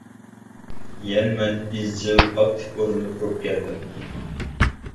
يەنە مەن ئىزچىل ئاكتىپ ئورۇندا تۇرۇپ كەلدىم.